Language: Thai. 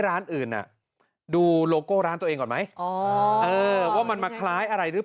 ร้านอื่นน่ะดูโลโก้ร้านตัวเองก่อนไหมว่ามันมาคล้ายอะไรหรือเปล่า